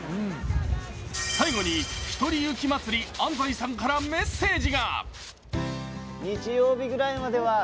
最後に、ひとり雪まつり安齋さんからメッセージが。